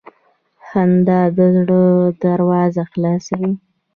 • خندا د زړه دروازه خلاصوي.